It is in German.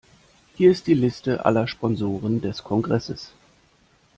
Hier ist die Liste aller Sponsoren des Kongresses.